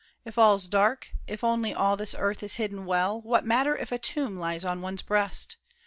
If all's dark, If only all this earth is hidden well, What matter if a tomb lies on one's breast?